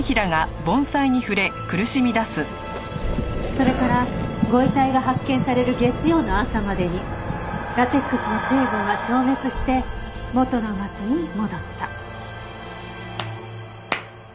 それからご遺体が発見される月曜の朝までにラテックスの成分が消滅して元のマツに戻った。